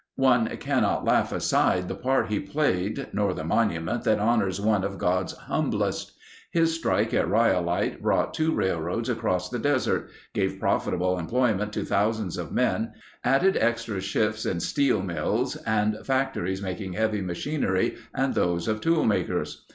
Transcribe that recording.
One cannot laugh aside the part he played nor the monument that honors one of God's humblest. His strike at Rhyolite brought two railroads across the desert, gave profitable employment to thousands of men, added extra shifts in steel mills and factories making heavy machinery and those of tool makers.